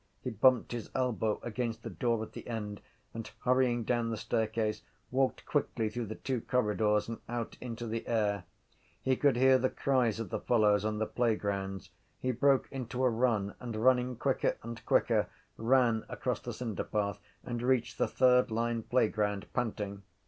He bumped his elbow against the door at the end and, hurrying down the staircase, walked quickly through the two corridors and out into the air. He could hear the cries of the fellows on the playgrounds. He broke into a run and, running quicker and quicker, ran across the cinderpath and reached the third line playground, panting.